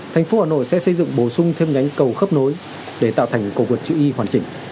thành phố hà nội sẽ xây dựng bổ sung thêm nhánh cầu khớp nối để tạo thành cổ vượt chữ y hoàn chỉnh